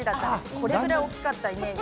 これくらい大きかったイメージで。